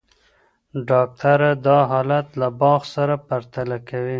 ډاکټره دا حالت له باغ سره پرتله کوي.